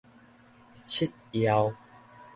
七曜